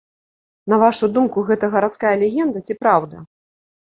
На вашу думку, гэта гарадская легенда ці праўда?